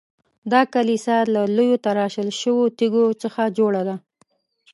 دا کلیسا له لویو تراشل شویو تیږو څخه جوړه ده.